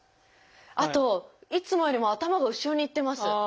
あといつもよりも頭が後ろにいってます。